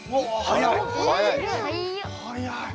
早い！